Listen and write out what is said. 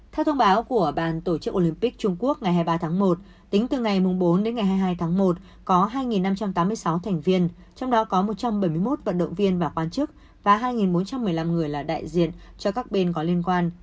theo thông báo của bàn tổ chức olympic trung quốc ngày hai mươi ba tháng một tính từ ngày bốn đến ngày hai mươi hai tháng một có hai năm trăm tám mươi sáu thành viên trong đó có một trăm bảy mươi một vận động viên và quan chức và hai bốn trăm một mươi năm người là đại diện cho các bên có liên quan